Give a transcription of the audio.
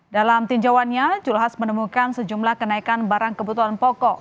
dalam tinjauannya zulhas menemukan sejumlah kenaikan barang kebutuhan pokok